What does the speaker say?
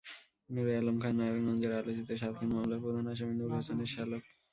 নূরে আলম খান নারায়ণগঞ্জের আলোচিত সাত খুন মামলার প্রধান আসামি নূর হোসেনের শ্যালক।